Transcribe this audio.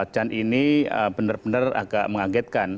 dan ini benar benar agak mengagetkan